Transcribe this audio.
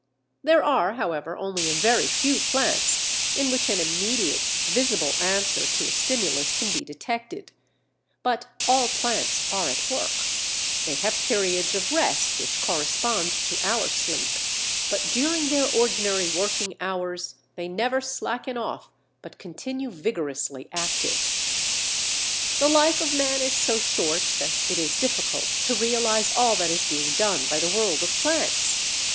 There are, however, only a very few plants in which an immediate, visible answer to a stimulus can be detected. But all plants are at work; they have periods of rest which correspond to our sleep, but during their ordinary working hours they never slacken off, but continue vigorously active. The life of man is so short that it is difficult to realize all that is being done by the world of plants.